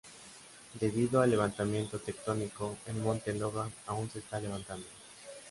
Debido al levantamiento tectónico, el Monte Logan aún se está elevando.